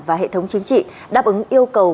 và hệ thống chính trị đáp ứng yêu cầu